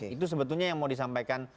itu sebetulnya yang mau disampaikan